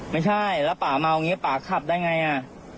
ไม่ใช่แล้วป่าเมาอย่างนี้ป่าขับได้ไงอ่ะ